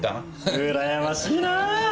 うらやましいなあー。